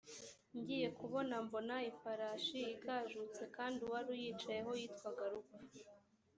ngiye kubona mbona ifarashi igajutse kandi uwari uyicayeho yitwaga rupfu